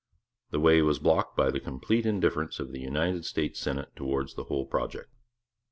The way was blocked by the complete indifference of the United States Senate towards the whole project.